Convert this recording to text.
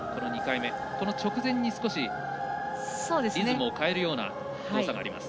この直前に少しリズムを変えるような動作があります。